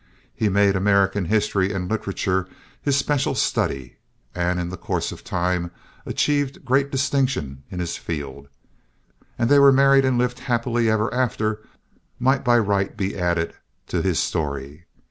He made American history and literature his special study, and in the course of time achieved great distinction in his field. "And they were married and lived happily ever after" might by right be added to his story.